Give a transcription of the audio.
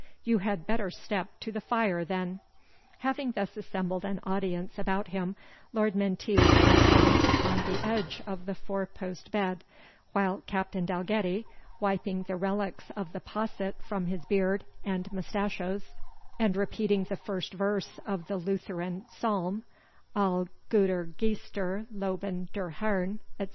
You had better step to the fire then." Having thus assembled an audience about him, Lord Menteith sat down upon the edge of the four post bed, while Captain Dalgetty, wiping the relics of the posset from his beard and mustachoes, and repeating the first verse of the Lutheran psalm, ALLE GUTER GEISTER LOBEN DEN HERRN, etc.